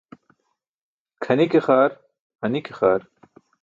Kʰani ke xaar, hani ke xaar.